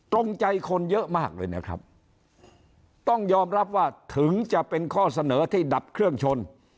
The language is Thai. ตรงใจคนเยอะมากเลยนะครับต้องยอมรับว่าถึงจะเป็นข้อเสนอที่ดับเครื่องชน